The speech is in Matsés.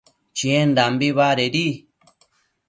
Chiendambi badedi